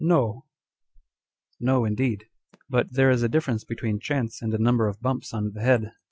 No !" 1 No, indeed ; but there is a difference between chance and a number of bumps on the head.